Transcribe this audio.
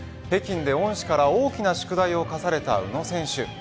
北京で恩師から大きな宿題を課された宇野選手。